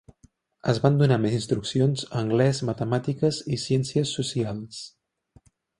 Es van donar més instruccions a Anglès, Matemàtiques i Ciències Socials.